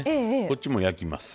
こっちも焼きます。